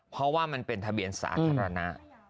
เพราะว่ามันเป็นทะเบียนสาธารณะ